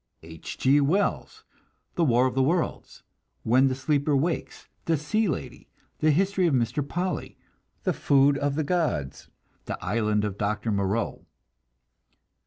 H. G. Wells: The War of the Worlds, When the Sleeper Wakes, The Sea Lady, The History of Mr. Polly, The Food of the Gods, The Island of Dr. Moreau.